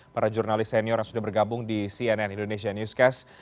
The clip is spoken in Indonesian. para jurnalis senior yang sudah bergabung di cnn indonesia newscast